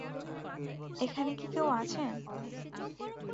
এখানে কি কেউ আছেন?